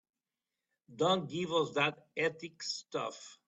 Don't give us that ethics stuff.